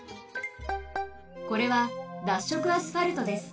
これは脱色アスファルトです。